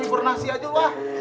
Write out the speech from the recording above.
ke kctor nasi aja wah